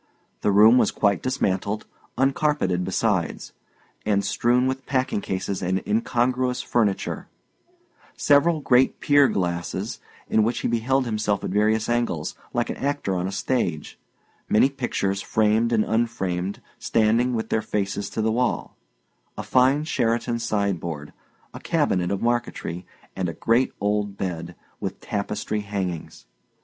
The room was quite dismantled, uncarpeted besides, and strewn with packing cases and incongruous furniture; several great pier glasses, in which he beheld himself at various angles, like an actor on a stage; many pictures, framed and unframed, standing, with their faces to the wall; a fine Sheraton sideboard, a cabinet of marquetry, and a great old bed, with tapestry hangings.